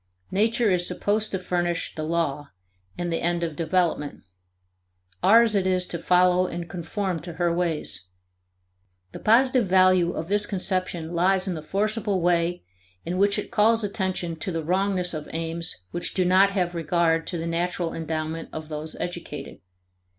Nature is supposed to furnish the law and the end of development; ours it is to follow and conform to her ways. The positive value of this conception lies in the forcible way in which it calls attention to the wrongness of aims which do not have regard to the natural endowment of those educated.